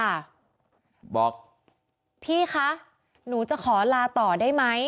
บอกพี่คะหนูจะขอลาต่อได้ไหม